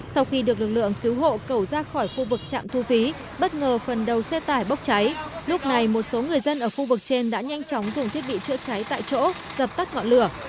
sau khi được lực lượng cứu hộ cầu ra khỏi khu vực trạm thu phí bất ngờ phần đầu xe tải bốc cháy lúc này một số người dân ở khu vực trên đã nhanh chóng dùng thiết bị chữa cháy tại chỗ dập tắt ngọn lửa